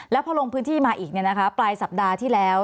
แล้วพอลงพื้นที่มาอีกปลายสัปดาห์ที่แล้ว